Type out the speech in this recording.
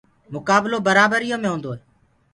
مُڪآبلو برآبريو مي هونٚدو هي